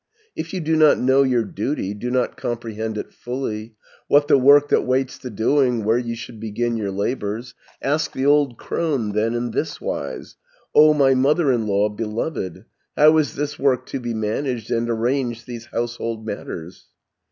"If you do not know your duty, Do not comprehend it fully, What the work that waits the doing, Where you should begin your labours, 260 Ask the old crone then in thiswise: 'O my mother in law beloved, How is this work to be managed, And arranged these household matters?'